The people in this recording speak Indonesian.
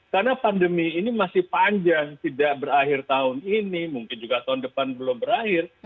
karena pandemi ini masih panjang tidak berakhir tahun ini mungkin juga tahun depan belum berakhir